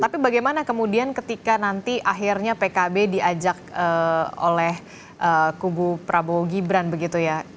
tapi bagaimana kemudian ketika nanti akhirnya pkb diajak oleh kubu prabowo gibran begitu ya